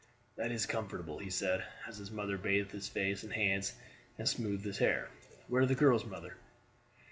"That is comfortable," he said, as his mother bathed his face and hands and smoothed his hair. "Where are the girls, mother?"